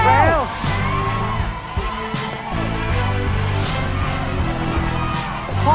เร็วลูกเร็ว